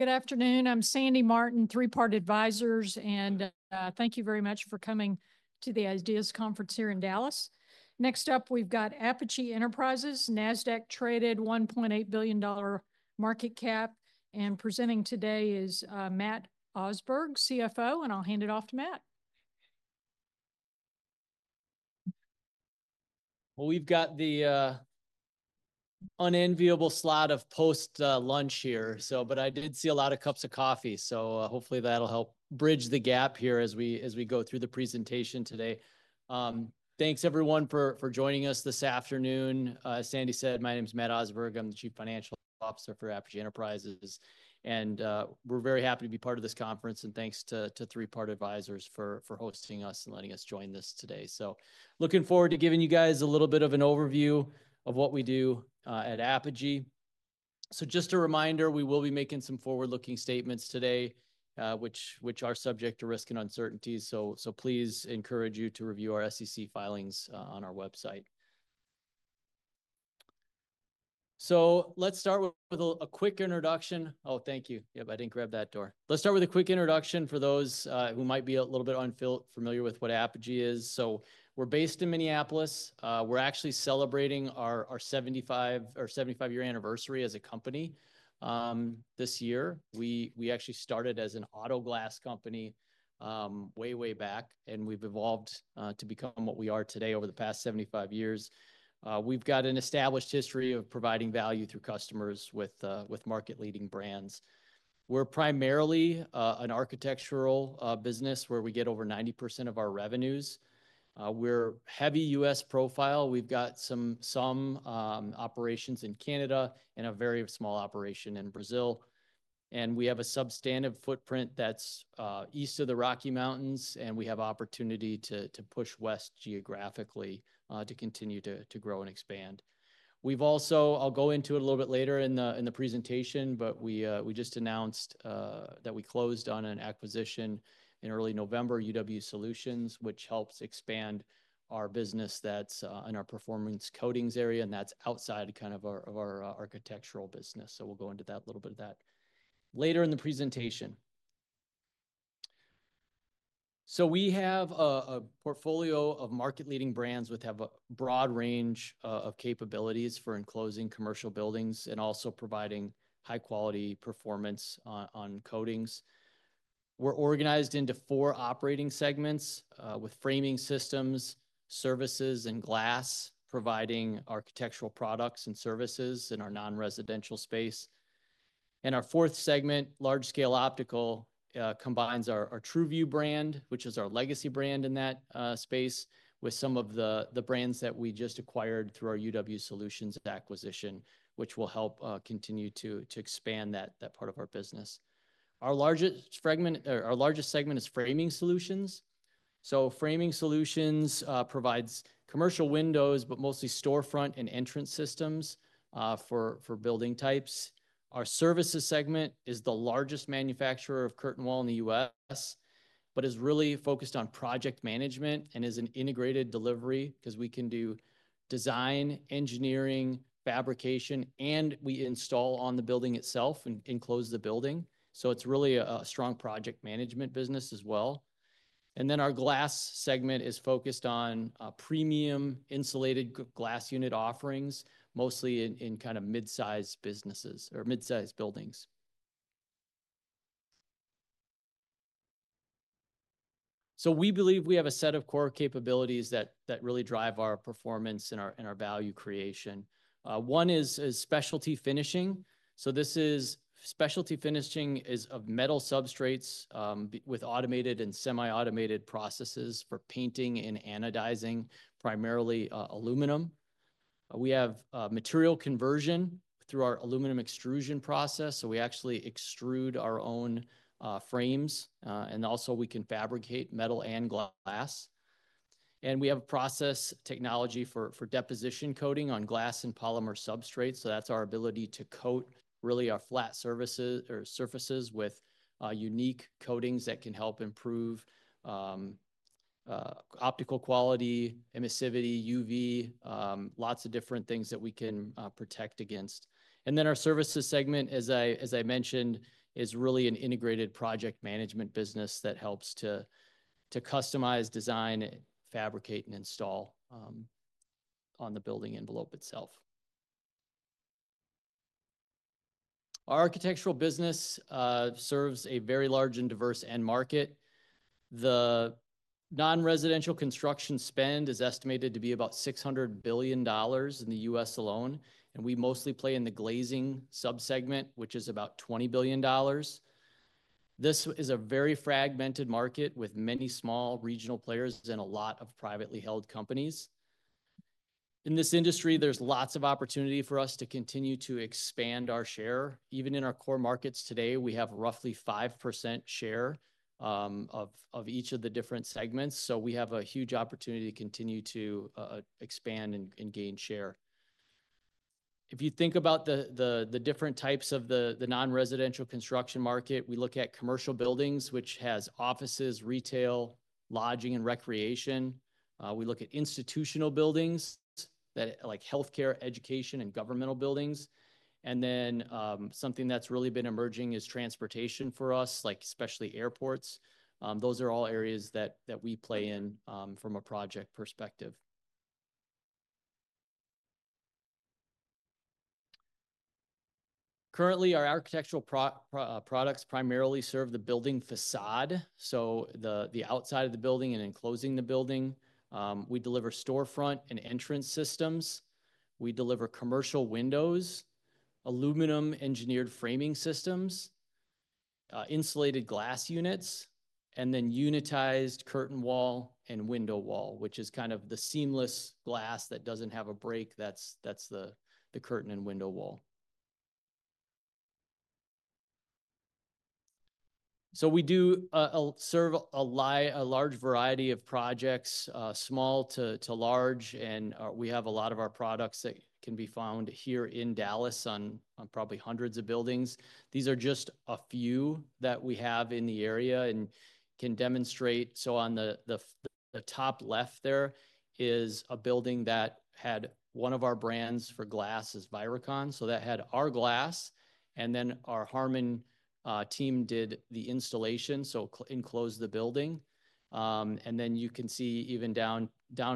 Good afternoon. I'm Sandy Martin, Three Part Advisors, and thank you very much for coming to the IDEAS conference here in Dallas. Next up, we've got Apogee Enterprises, Nasdaq-traded, $1.8 billion market cap. And presenting today is Matt Osberg, CFO, and I'll hand it off to Matt. We've got the unenviable slot of post-lunch here, but I did see a lot of cups of coffee, so hopefully that'll help bridge the gap here as we go through the presentation today. Thanks, everyone, for joining us this afternoon. As Sandy said, my name is Matt Osberg. I'm the Chief Financial Officer for Apogee Enterprises, and we're very happy to be part of this conference, and thanks to Three Part Advisors for hosting us and letting us join this today. Looking forward to giving you guys a little bit of an overview of what we do at Apogee. Just a reminder, we will be making some forward-looking statements today, which are subject to risk and uncertainties. Please encourage you to review our SEC filings on our website. Let's start with a quick introduction. Oh, thank you. Yep, I didn't grab that door. Let's start with a quick introduction for those who might be a little bit unfamiliar with what Apogee is. So we're based in Minneapolis. We're actually celebrating our 75-year anniversary as a company this year. We actually started as an auto glass company way, way back, and we've evolved to become what we are today over the past 75 years. We've got an established history of providing value through customers with market-leading brands. We're primarily an architectural business where we get over 90% of our revenues. We're heavy U.S. profile. We've got some operations in Canada and a very small operation in Brazil, and we have a substantive footprint that's east of the Rocky Mountains, and we have opportunity to push west geographically to continue to grow and expand. I'll go into it a little bit later in the presentation, but we just announced that we closed on an acquisition in early November, UW Solutions, which helps expand our business in our performance coatings area, and that's outside kind of our architectural business. So we'll go into that a little bit later in the presentation. So we have a portfolio of market-leading brands with a broad range of capabilities for enclosing commercial buildings and also providing high-quality performance on coatings. We're organized into four operating segments with framing systems, services, and glass, providing architectural products and services in our non-residential space. And our fourth segment, Large-Scale Optical, combines our Tru Vue brand, which is our legacy brand in that space, with some of the brands that we just acquired through our UW Solutions acquisition, which will help continue to expand that part of our business. Our largest segment is framing solutions. So framing solutions provides commercial windows, but mostly storefront and entrance systems for building types. Our services segment is the largest manufacturer of curtain wall in the U.S., but is really focused on project management and is an integrated delivery because we can do design, engineering, fabrication, and we install on the building itself and enclose the building. So it's really a strong project management business as well. And then our glass segment is focused on premium insulated glass unit offerings, mostly in kind of mid-size businesses or mid-size buildings. So we believe we have a set of core capabilities that really drive our performance and our value creation. One is specialty finishing. So this is specialty finishing of metal substrates with automated and semi-automated processes for painting and anodizing, primarily aluminum. We have material conversion through our aluminum extrusion process, so we actually extrude our own frames, and also we can fabricate metal and glass. And we have a process technology for deposition coating on glass and polymer substrates. So that's our ability to coat really our flat surfaces with unique coatings that can help improve optical quality, emissivity, UV, lots of different things that we can protect against. And then our services segment, as I mentioned, is really an integrated project management business that helps to customize, design, fabricate, and install on the building envelope itself. Our architectural business serves a very large and diverse end market. The non-residential construction spend is estimated to be about $600 billion in the U.S. alone, and we mostly play in the glazing subsegment, which is about $20 billion. This is a very fragmented market with many small regional players and a lot of privately held companies. In this industry, there's lots of opportunity for us to continue to expand our share. Even in our core markets today, we have roughly 5% share of each of the different segments, so we have a huge opportunity to continue to expand and gain share. If you think about the different types of the non-residential construction market, we look at commercial buildings, which has offices, retail, lodging, and recreation. We look at institutional buildings like healthcare, education, and governmental buildings. And then something that's really been emerging is transportation for us, like especially airports. Those are all areas that we play in from a project perspective. Currently, our architectural products primarily serve the building façade, so the outside of the building and enclosing the building. We deliver storefront and entrance systems. We deliver commercial windows, aluminum-engineered framing systems, insulated glass units, and then unitized curtain wall and window wall, which is kind of the seamless glass that doesn't have a break. That's the curtain and window wall. So we do serve a large variety of projects, small to large, and we have a lot of our products that can be found here in Dallas on probably hundreds of buildings. These are just a few that we have in the area and can demonstrate. So on the top left there is a building that had one of our brands for glass as Viracon, so that had our glass, and then our Harmon team did the installation, so enclosed the building. And then you can see even down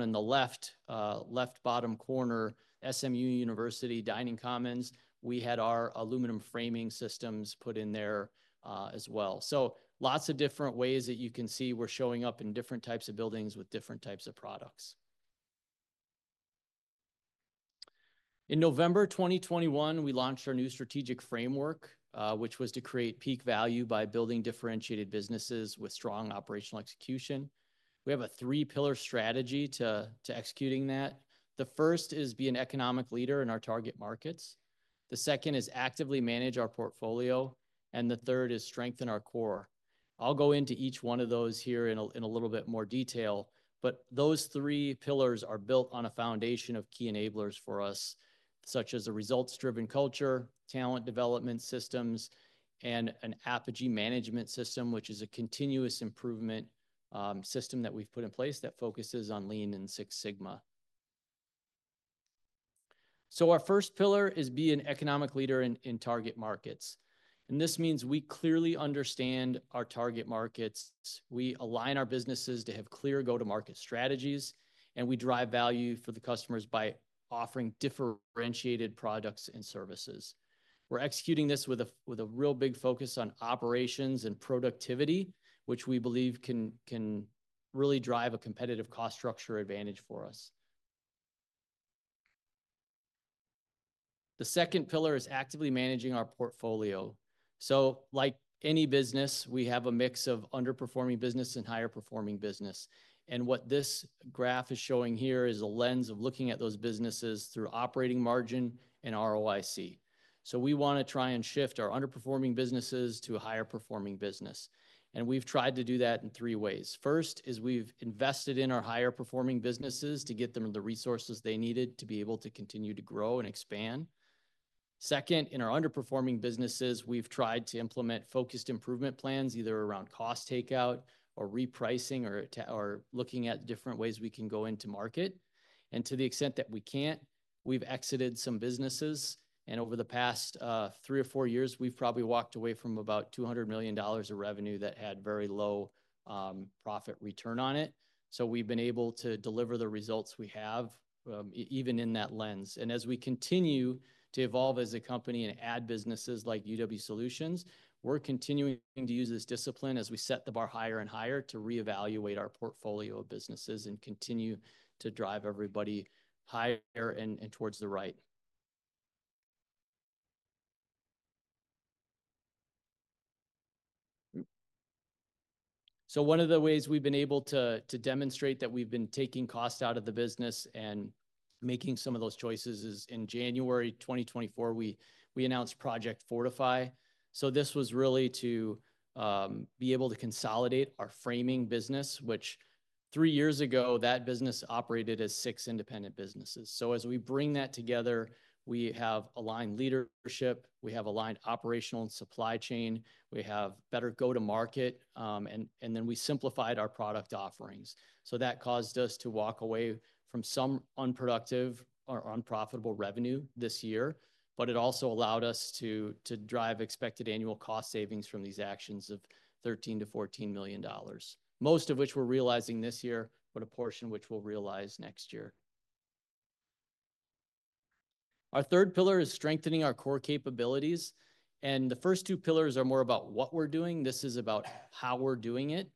in the left bottom corner, SMU University Dining Commons, we had our aluminum framing systems put in there as well. So lots of different ways that you can see we're showing up in different types of buildings with different types of products. In November 2021, we launched our new strategic framework, which was to create peak value by building differentiated businesses with strong operational execution. We have a three-pillar strategy to executing that. The first is be an economic leader in our target markets. The second is actively manage our portfolio, and the third is strengthen our core. I'll go into each one of those here in a little bit more detail, but those three pillars are built on a foundation of key enablers for us, such as a results-driven culture, talent development systems, and an Apogee Management System, which is a continuous improvement system that we've put in place that focuses on Lean and Six Sigma. So our first pillar is be an economic leader in target markets. This means we clearly understand our target markets. We align our businesses to have clear go-to-market strategies, and we drive value for the customers by offering differentiated products and services. We're executing this with a real big focus on operations and productivity, which we believe can really drive a competitive cost structure advantage for us. The second pillar is actively managing our portfolio. Like any business, we have a mix of underperforming business and higher-performing business. What this graph is showing here is a lens of looking at those businesses through operating margin and ROIC. We want to try and shift our underperforming businesses to a higher-performing business. We've tried to do that in three ways. First is we've invested in our higher-performing businesses to get them the resources they needed to be able to continue to grow and expand. Second, in our underperforming businesses, we've tried to implement focused improvement plans either around cost takeout or repricing or looking at different ways we can go into market. And to the extent that we can't, we've exited some businesses. And over the past three or four years, we've probably walked away from about $200 million of revenue that had very low profit return on it. So we've been able to deliver the results we have even in that lens. And as we continue to evolve as a company and add businesses like UW Solutions, we're continuing to use this discipline as we set the bar higher and higher to reevaluate our portfolio of businesses and continue to drive everybody higher and towards the right. So one of the ways we've been able to demonstrate that we've been taking costs out of the business and making some of those choices is in January 2024, we announced Project Fortify. So this was really to be able to consolidate our framing business, which, three years ago, that business operated as six independent businesses. So as we bring that together, we have aligned leadership, we have aligned operational and supply chain, we have better go-to-market, and then we simplified our product offerings. So that caused us to walk away from some unproductive or unprofitable revenue this year, but it also allowed us to drive expected annual cost savings from these actions of $13 million-$14 million, most of which we're realizing this year, but a portion of which we'll realize next year. Our third pillar is strengthening our core capabilities. And the first two pillars are more about what we're doing. This is about how we're doing it.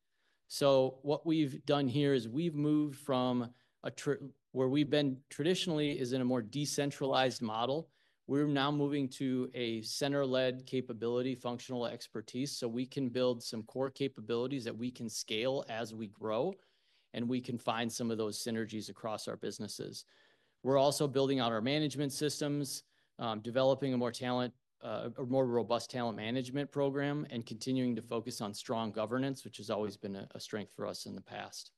So what we've done here is we've moved from where we've been traditionally is in a more decentralized model. We're now moving to a center-led capability functional expertise so we can build some core capabilities that we can scale as we grow, and we can find some of those synergies across our businesses. We're also building out our management systems, developing a more robust talent management program, and continuing to focus on strong governance, which has always been a strength for us in the past.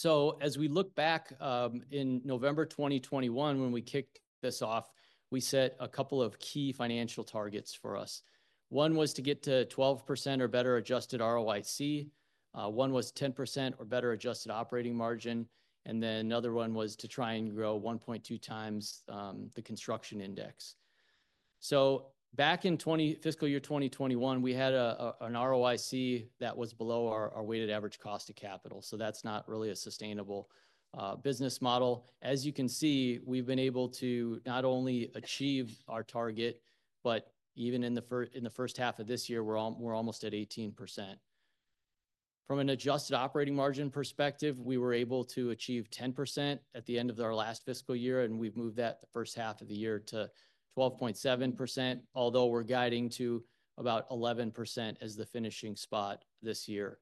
So as we look back in November 2021, when we kicked this off, we set a couple of key financial targets for us. One was to get to 12% or better adjusted ROIC. One was 10% or better adjusted operating margin. And then another one was to try and grow 1.2 times the construction index. So back in fiscal year 2021, we had an ROIC that was below our weighted average cost of capital. So that's not really a sustainable business model. As you can see, we've been able to not only achieve our target, but even in the first half of this year, we're almost at 18%. From an adjusted operating margin perspective, we were able to achieve 10% at the end of our last fiscal year, and we've moved that the first half of the year to 12.7%, although we're guiding to about 11% as the finishing spot this year.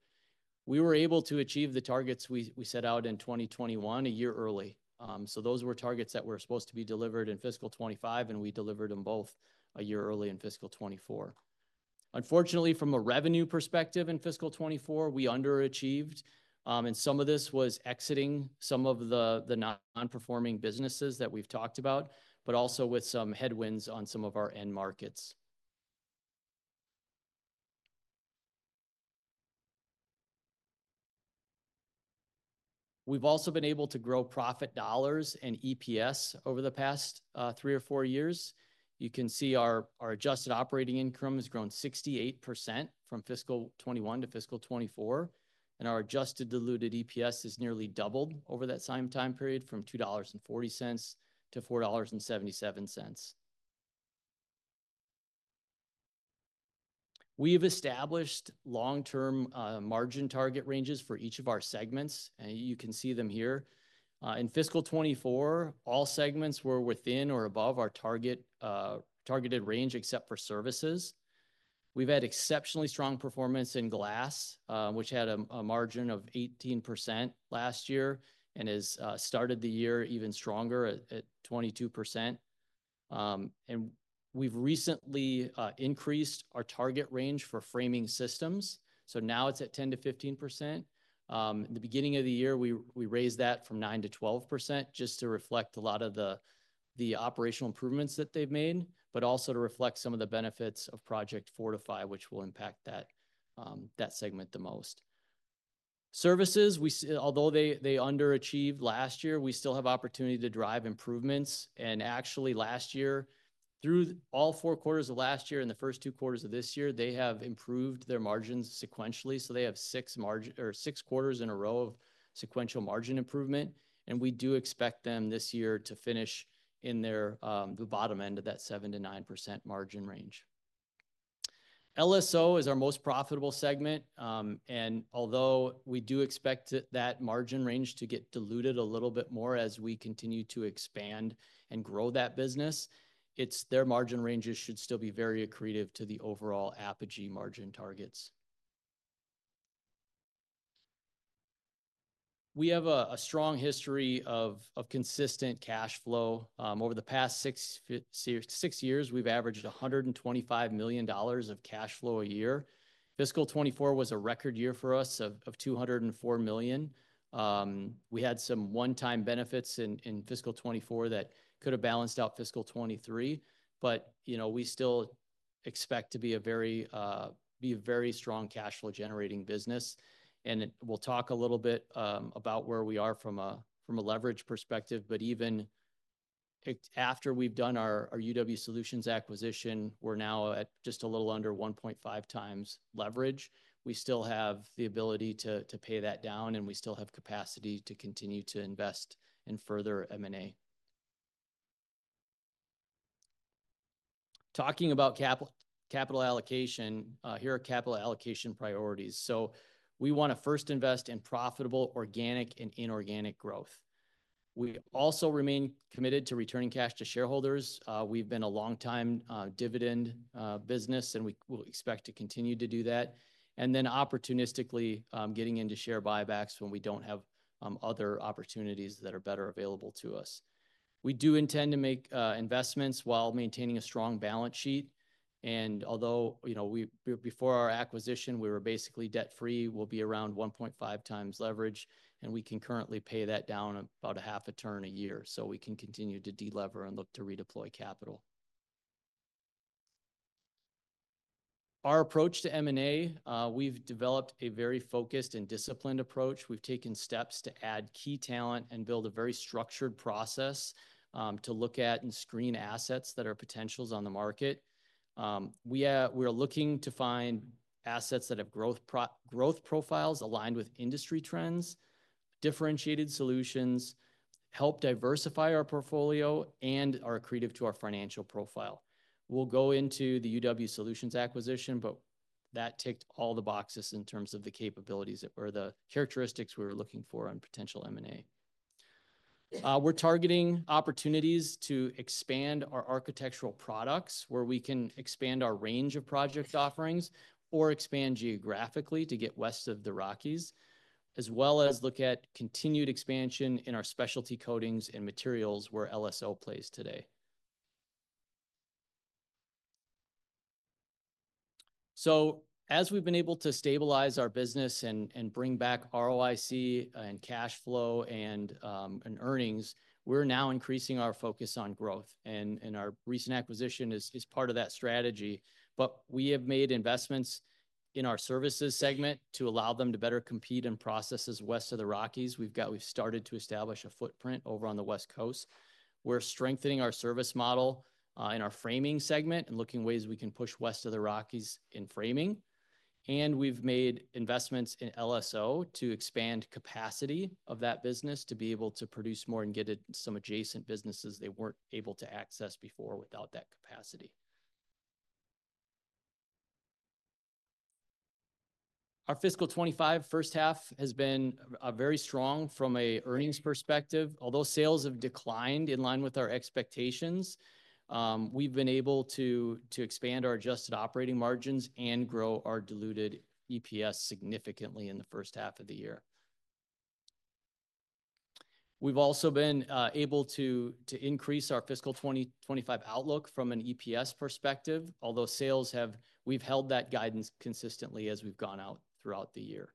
We were able to achieve the targets we set out in 2021 a year early. So those were targets that were supposed to be delivered in fiscal 2025, and we delivered them both a year early in fiscal 2024. Unfortunately, from a revenue perspective in fiscal 2024, we underachieved, and some of this was exiting some of the non-performing businesses that we've talked about, but also with some headwinds on some of our end markets. We've also been able to grow profit dollars and EPS over the past three or four years. You can see our adjusted operating income has grown 68% from fiscal 2021 to fiscal 2024, and our adjusted diluted EPS has nearly doubled over that same time period from $2.40 to $4.77. We have established long-term margin target ranges for each of our segments, and you can see them here. In fiscal 2024, all segments were within or above our targeted range except for services. We've had exceptionally strong performance in glass, which had a margin of 18% last year and has started the year even stronger at 22%. And we've recently increased our target range for framing systems. So now it's at 10%-15%. At the beginning of the year, we raised that from 9%-12% just to reflect a lot of the operational improvements that they've made, but also to reflect some of the benefits of Project Fortify, which will impact that segment the most. Services, although they underachieved last year, we still have opportunity to drive improvements. And actually, last year, through all four quarters of last year and the first two quarters of this year, they have improved their margins sequentially. So they have six quarters in a row of sequential margin improvement. And we do expect them this year to finish in the bottom end of that 7%-9% margin range. LSO is our most profitable segment. Although we do expect that margin range to get diluted a little bit more as we continue to expand and grow that business, their margin ranges should still be very accretive to the overall Apogee margin targets. We have a strong history of consistent cash flow. Over the past six years, we've averaged $125 million of cash flow a year. Fiscal 2024 was a record year for us of $204 million. We had some one-time benefits in fiscal 2024 that could have balanced out fiscal 2023, but we still expect to be a very strong cash flow generating business. We'll talk a little bit about where we are from a leverage perspective, but even after we've done our UW Solutions acquisition, we're now at just a little under 1.5 times leverage. We still have the ability to pay that down, and we still have capacity to continue to invest in further M&A. Talking about capital allocation, here are capital allocation priorities. We want to first invest in profitable organic and inorganic growth. We also remain committed to returning cash to shareholders. We've been a long-time dividend business, and we expect to continue to do that, and then opportunistically getting into share buybacks when we don't have other opportunities that are better available to us. We do intend to make investments while maintaining a strong balance sheet, and although before our acquisition, we were basically debt-free, we'll be around 1.5 times leverage, and we can currently pay that down about half a turn a year. We can continue to delever and look to redeploy capital. Our approach to M&A, we've developed a very focused and disciplined approach. We've taken steps to add key talent and build a very structured process to look at and screen assets that are potentials on the market. We are looking to find assets that have growth profiles aligned with industry trends, differentiated solutions, help diversify our portfolio, and are accretive to our financial profile. We'll go into the UW Solutions acquisition, but that ticked all the boxes in terms of the capabilities or the characteristics we were looking for on potential M&A. We're targeting opportunities to expand our architectural products where we can expand our range of project offerings or expand geographically to get West of the Rockies, as well as look at continued expansion in our specialty coatings and materials where LSO plays today, so as we've been able to stabilize our business and bring back ROIC and cash flow and earnings, we're now increasing our focus on growth. Our recent acquisition is part of that strategy. But we have made investments in our services segment to allow them to better compete in projects West of the Rockies. We've started to establish a footprint over on the West Coast. We're strengthening our service model in our framing segment and looking for ways we can push West of the Rockies in framing. And we've made investments in LSO to expand capacity of that business to be able to produce more and get some adjacent businesses they weren't able to access before without that capacity. Our fiscal 2025 first half has been very strong from an earnings perspective. Although sales have declined in line with our expectations, we've been able to expand our adjusted operating margins and grow our diluted EPS significantly in the first half of the year. We've also been able to increase our fiscal 2025 outlook from an EPS perspective, although sales, we've held that guidance consistently as we've gone out throughout the year.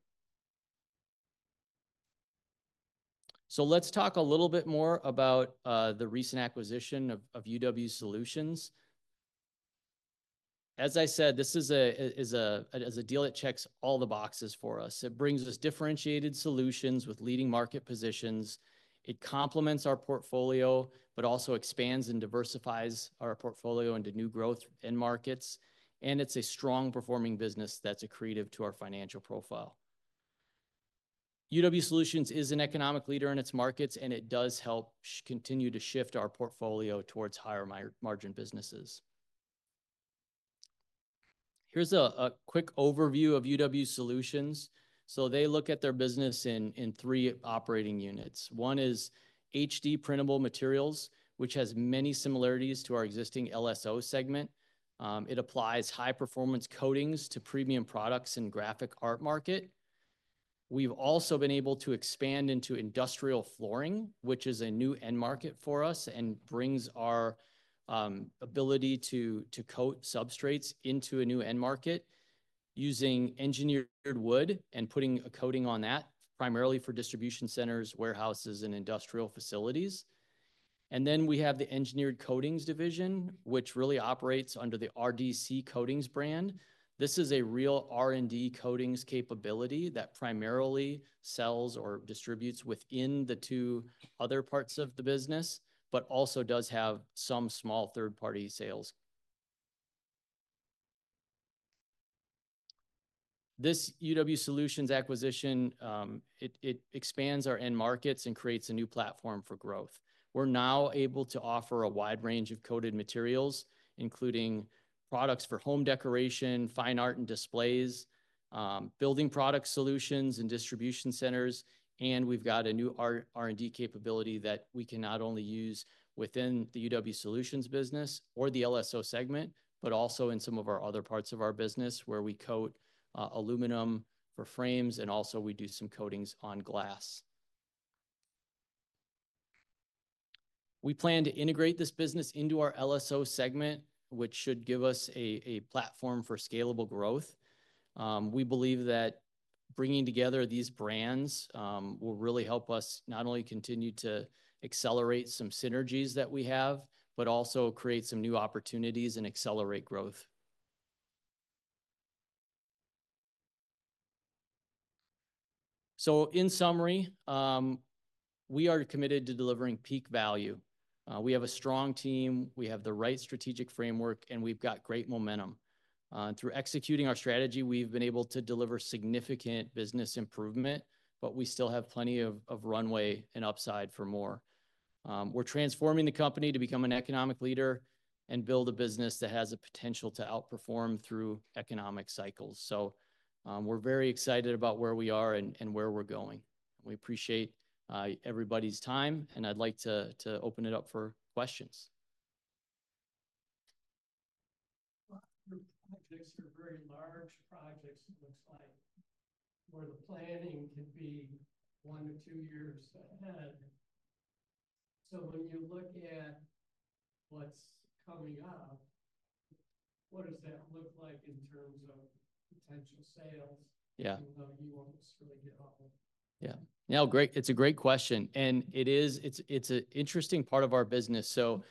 So let's talk a little bit more about the recent acquisition of UW Solutions. As I said, this is a deal that checks all the boxes for us. It brings us differentiated solutions with leading market positions. It complements our portfolio, but also expands and diversifies our portfolio into new growth and markets. And it's a strong-performing business that's accretive to our financial profile. UW Solutions is an economic leader in its markets, and it does help continue to shift our portfolio towards higher margin businesses. Here's a quick overview of UW Solutions. So they look at their business in three operating units. One is HD printable materials, which has many similarities to our existing LSO segment. It applies high-performance coatings to premium products in the graphic art market. We've also been able to expand into industrial flooring, which is a new end market for us and brings our ability to coat substrates into a new end market using engineered wood and putting a coating on that primarily for distribution centers, warehouses, and industrial facilities. And then we have the engineered coatings division, which really operates under the RDC Coatings brand. This is a real R&D coatings capability that primarily sells or distributes within the two other parts of the business, but also does have some small third-party sales. This UW Solutions acquisition, it expands our end markets and creates a new platform for growth. We're now able to offer a wide range of coated materials, including products for home decoration, fine art and displays, building product solutions and distribution centers. We've got a new R&D capability that we can not only use within the UW Solutions business or the LSO segment, but also in some of our other parts of our business where we coat aluminum for frames, and also we do some coatings on glass. We plan to integrate this business into our LSO segment, which should give us a platform for scalable growth. We believe that bringing together these brands will really help us not only continue to accelerate some synergies that we have, but also create some new opportunities and accelerate growth. In summary, we are committed to delivering peak value. We have a strong team. We have the right strategic framework, and we've got great momentum. Through executing our strategy, we've been able to deliver significant business improvement, but we still have plenty of runway and upside for more. We're transforming the company to become an economic leader and build a business that has the potential to outperform through economic cycles. So we're very excited about where we are and where we're going. We appreciate everybody's time, and I'd like to open it up for questions. Projects are very large projects, it looks like, where the planning could be one to two years ahead. So when you look at what's coming up, what does that look like in terms of potential sales? Yeah. Even though you won't necessarily get all of them. Yeah. No, great. It's a great question, and it is, it's an interesting part of our business. So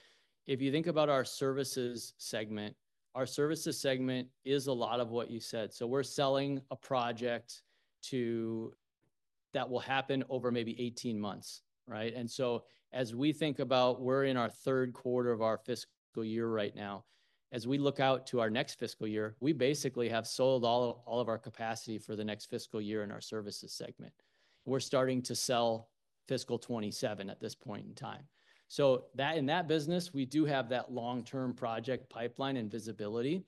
if you think about our services segment, our services segment is a lot of what you said. So we're selling a project that will happen over maybe 18 months, right, and so as we think about, we're in our third quarter of our fiscal year right now. As we look out to our next fiscal year, we basically have sold all of our capacity for the next fiscal year in our services segment. We're starting to sell fiscal 2027 at this point in time. So in that business, we do have that long-term project pipeline and visibility.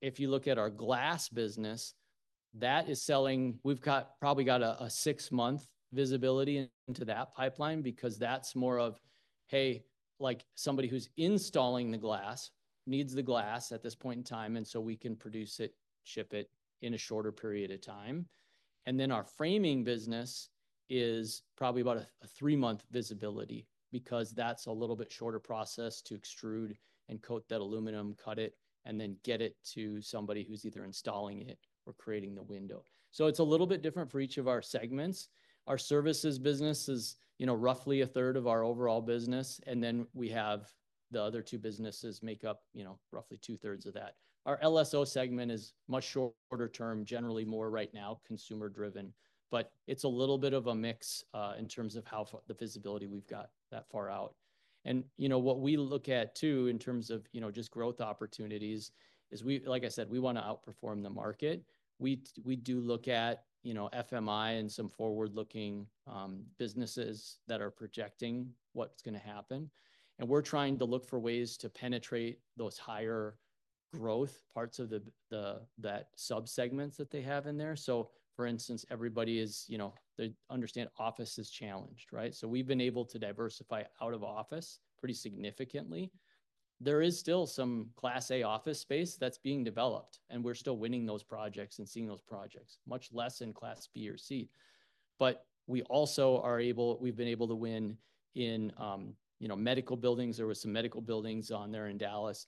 If you look at our glass business, that is selling, we've probably got a six-month visibility into that pipeline because that's more of, hey, like somebody who's installing the glass needs the glass at this point in time, and so we can produce it, ship it in a shorter period of time. And then our framing business is probably about a three-month visibility because that's a little bit shorter process to extrude and coat that aluminum, cut it, and then get it to somebody who's either installing it or creating the window. So it's a little bit different for each of our segments. Our services business is roughly a third of our overall business, and then we have the other two businesses make up roughly two-thirds of that. Our LSO segment is much shorter term, generally more right now consumer-driven, but it's a little bit of a mix in terms of how the visibility we've got that far out, and what we look at too in terms of just growth opportunities is, like I said, we want to outperform the market. We do look at FMI and some forward-looking businesses that are projecting what's going to happen, and we're trying to look for ways to penetrate those higher growth parts of that subsegments that they have in there, so for instance, everybody is. They understand office is challenged, right, so we've been able to diversify out of office pretty significantly. There is still some Class A office space that's being developed, and we're still winning those projects and seeing those projects, much less in Class B or C. But we also are able. We've been able to win in medical buildings. There were some medical buildings on there in Dallas.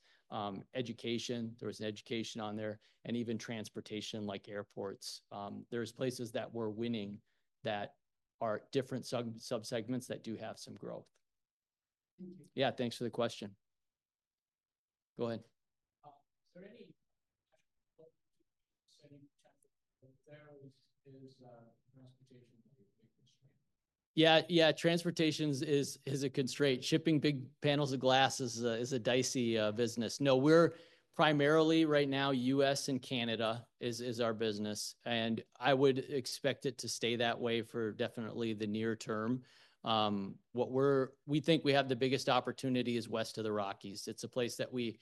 Education, there was an education on there. And even transportation like airports. There's places that we're winning that are different subsegments that do have some growth. Thank you. Yeah, thanks for the question. Go ahead. Is there any chance that there is transportation being a big constraint? Yeah, yeah, transportation is a constraint. Shipping big panels of glass is a dicey business. No, we're primarily right now U.S. and Canada is our business, and I would expect it to stay that way for definitely the near term. What we think we have the biggest opportunity is West of the Rockies. It's a place that we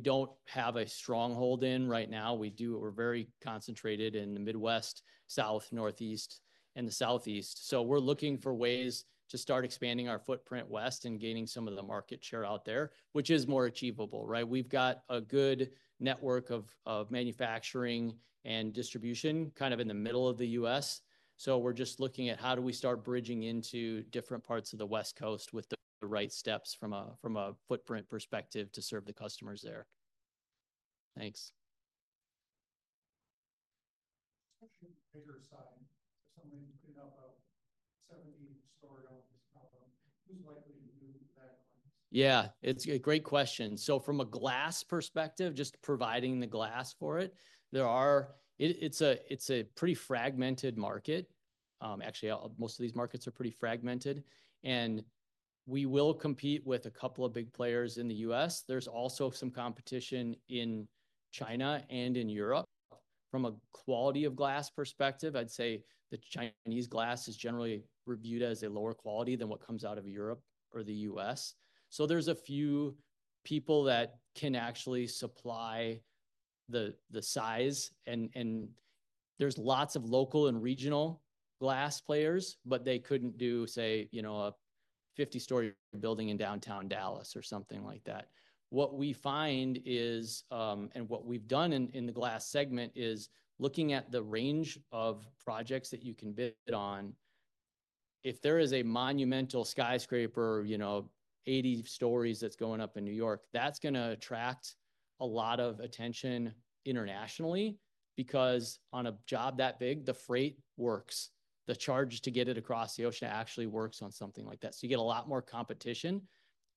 don't have a stronghold in right now. We're very concentrated in the Midwest, South, Northeast, and the Southeast, so we're looking for ways to start expanding our footprint west and gaining some of the market share out there, which is more achievable, right? We've got a good network of manufacturing and distribution kind of in the middle of the U.S., so we're just looking at how do we start bridging into different parts of the West Coast with the right steps from a footprint perspective to serve the customers there. Thanks. Bigger side, someone who's been up about 70-story buildings, how about who's likely to do that? Yeah, it's a great question. So from a glass perspective, just providing the glass for it, there are, it's a pretty fragmented market. Actually, most of these markets are pretty fragmented. And we will compete with a couple of big players in the U.S. There's also some competition in China and in Europe. From a quality of glass perspective, I'd say the Chinese glass is generally reviewed as a lower quality than what comes out of Europe or the U.S. So there's a few people that can actually supply the size. And there's lots of local and regional glass players, but they couldn't do, say, a 50-story building in downtown Dallas or something like that. What we find is, and what we've done in the glass segment is looking at the range of projects that you can bid on. If there is a monumental skyscraper, 80 stories that's going up in New York, that's going to attract a lot of attention internationally because on a job that big, the freight works. The charge to get it across the ocean actually works on something like that. So you get a lot more competition.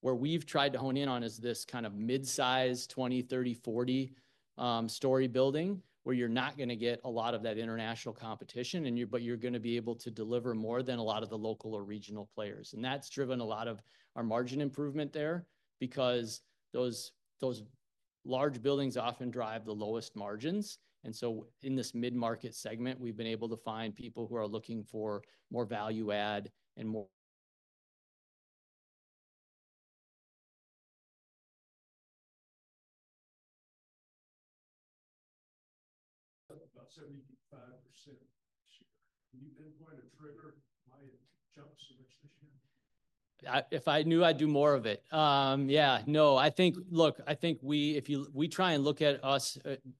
Where we've tried to hone in on is this kind of mid-size 20, 30, 40-story building where you're not going to get a lot of that international competition, but you're going to be able to deliver more than a lot of the local or regional players. And that's driven a lot of our margin improvement there because those large buildings often drive the lowest margins. And so in this mid-market segment, we've been able to find people who are looking for more value-add and more. About 75% this year. Can you pinpoint a trigger why it jumped so much this year? If I knew I'd do more of it. Yeah. No, I think, look, I think we try and look at us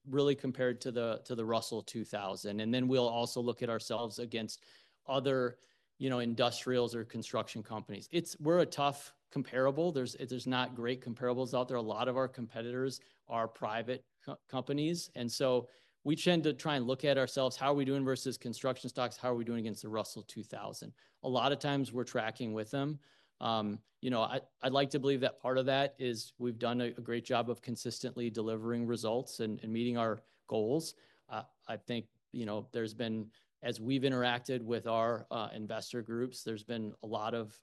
really compared to the Russell 2000. And then we'll also look at ourselves against other industrials or construction companies. We're a tough comparable. There's not great comparables out there. A lot of our competitors are private companies. And so we tend to try and look at ourselves, how are we doing versus construction stocks, how are we doing against the Russell 2000? A lot of times we're tracking with them. I'd like to believe that part of that is we've done a great job of consistently delivering results and meeting our goals. I think there's been, as we've interacted with our investor groups, there's been a lot of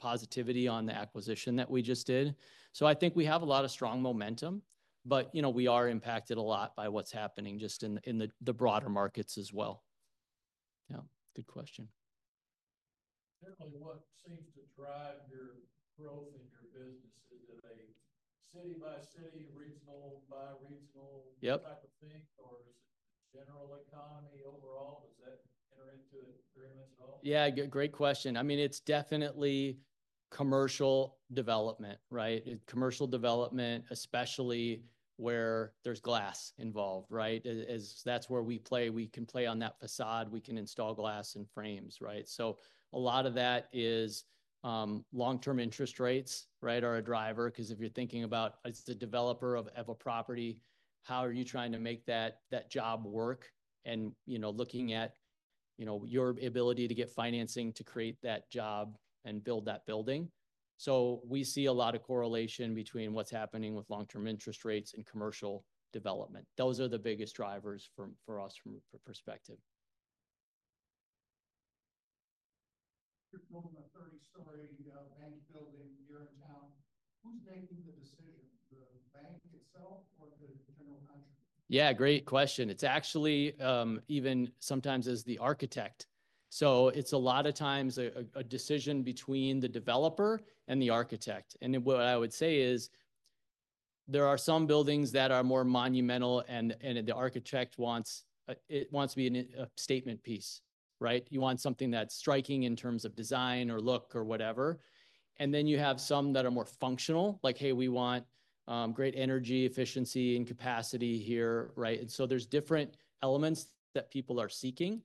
positivity on the acquisition that we just did. I think we have a lot of strong momentum, but we are impacted a lot by what's happening just in the broader markets as well. Yeah, good question. Generally, what seems to drive your growth in your business? Is it a city-by-city, regional-by-regional type of thing, or is it the general economy overall? Does that enter into it very much at all? Yeah, great question. I mean, it's definitely commercial development, right? Commercial development, especially where there's glass involved, right? That's where we play. We can play on that facade. We can install glass and frames, right? So a lot of that is long-term interest rates, right, are a driver because if you're thinking about as the developer of a property, how are you trying to make that job work and looking at your ability to get financing to create that job and build that building. So we see a lot of correlation between what's happening with long-term interest rates and commercial development. Those are the biggest drivers for us from perspective. You're building a 30-story bank building here in town. Who's making the decision? The bank itself or the general contractor? Yeah, great question. It's actually even sometimes as the architect. So it's a lot of times a decision between the developer and the architect. And what I would say is there are some buildings that are more monumental and the architect wants it to be a statement piece, right? You want something that's striking in terms of design or look or whatever. And then you have some that are more functional, like, hey, we want great energy, efficiency, and capacity here, right? And so there's different elements that people are seeking.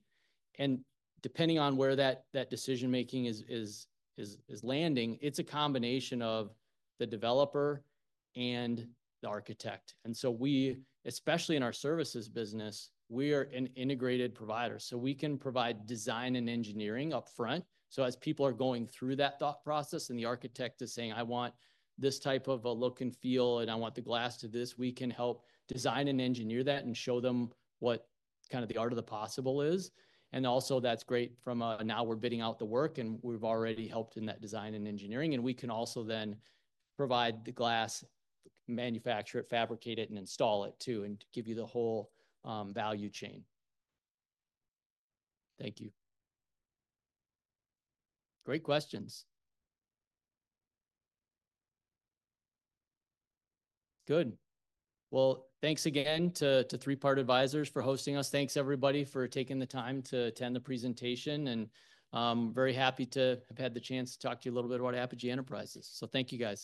And depending on where that decision-making is landing, it's a combination of the developer and the architect. And so we, especially in our services business, we are an integrated provider. So we can provide design and engineering upfront. So as people are going through that thought process and the architect is saying, "I want this type of a look and feel, and I want the glass to this," we can help design and engineer that and show them what kind of the art of the possible is. And also that's great from now we're bidding out the work and we've already helped in that design and engineering. And we can also then provide the glass, manufacture it, fabricate it, and install it too and give you the whole value chain. Thank you. Great questions. Good, well, thanks again to Three Part Advisors for hosting us. Thanks everybody for taking the time to attend the presentation, and very happy to have had the chance to talk to you a little bit about Apogee Enterprises, so thank you guys.